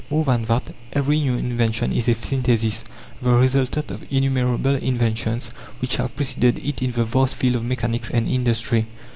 More than that: every new invention is a synthesis, the resultant of innumerable inventions which have preceded it in the vast field of mechanics and industry.